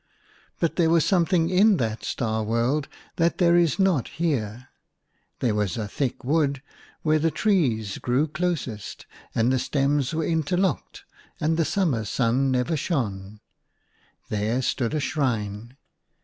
But there was something in that star world that there is not here. There was a thick wood : where the trees grew 6o IN A FAR OFF WORLD. closest, and the stems were interlocked, and the summer sun never shone, there stood a shrine.